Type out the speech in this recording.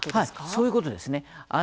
そういうことですね。